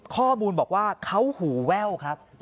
ข้อมูลบอกว่าเขาหูแว่วครับ